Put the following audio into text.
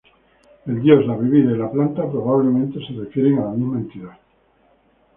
El dios, la bebida y la planta probablemente se refieren a la misma entidad.